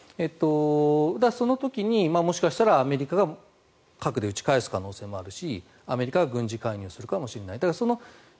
その時にもしかしたらアメリカが核で撃ち返す可能性もあるしアメリカが軍事介入するかもしれない。